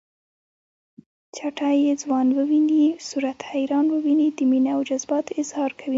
چټه چې ځوان وويني صورت حیران وويني د مینې او جذباتو اظهار کوي